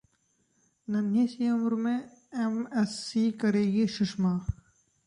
नन्हीं सी उम्र में एमएससी करेगी सुषमा